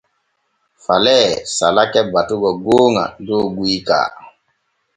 Falee salake batugo gooŋa dow guyka.